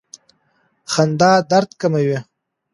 خندا درد کموي.